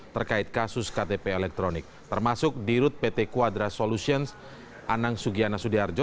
terkait kasus ktp elektronik termasuk di rut pt quadra solutions anang sugiana sudiharjo